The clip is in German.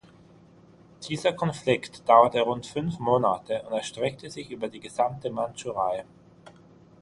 Dieser Konflikt dauerte rund fünf Monate und erstreckte sich über die gesamte Mandschurei.